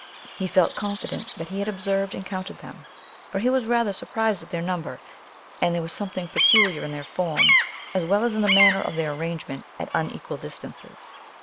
He felt confident that he had observed and counted them ; for he was rather sur prised at their number, and there was something peculiar in their form, as well as in the manner of their ar rangement, at unequal distances.